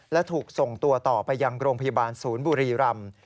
และถูกส่งตัวต่อไปยังโรงพยาบาลศูนย์บุรีรำ